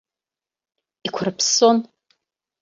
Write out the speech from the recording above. Иқәарԥссон.